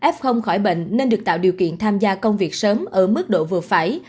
f khỏi bệnh nên được tạo điều kiện tham gia công việc sớm ở mức độ vừa phải